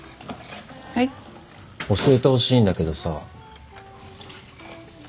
教えてほしいんだけどさ。